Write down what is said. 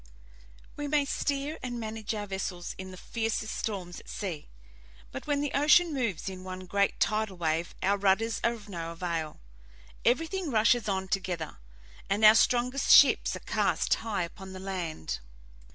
We may steer and manage our vessels in the fiercest storms at sea, but when the ocean moves in one great tidal wave our rudders are of no avail. Everything rushes on together, and our strongest ships are cast high upon the land.